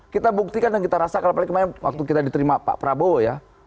kita buktikan dan kita rasa kalau kemarin waktu kita diterima pak prabowo ya